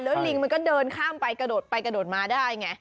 ลิงมันก็เดินข้ามไปกระโดดไปกระโดดมาได้ไง